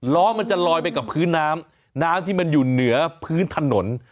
ล้อมันจะลอยไปกับพื้นน้ำน้ำที่มันอยู่เหนือพื้นถนน